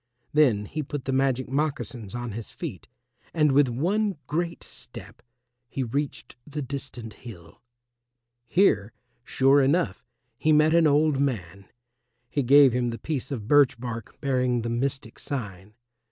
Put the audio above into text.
Then he put the magic moccasins on his feet and with one great step he reached the distant hill. Here, sure enough, he met an old man. He gave him the piece of birch bark bearing the mystic sign.